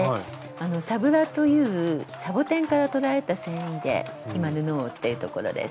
「サブラ」というサボテンから取られた繊維で今布を織っているところです。